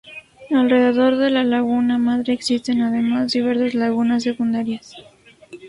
Alrededor de la laguna madre existen además diversas lagunas secundarias.